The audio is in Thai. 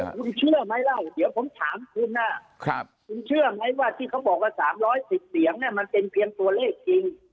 คุณเชื่อไหมเล่าเดี๋ยวผมถามคุณคุณเชื่อไหมว่าที่เขาบอกว่า๓๑๐เสียงมันเป็นเพียงตัวเลขจริง